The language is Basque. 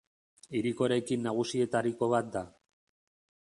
Hiriko eraikin nagusietariko bat da.